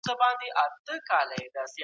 يونانيانو ښار او دولت سره ورته ګڼل.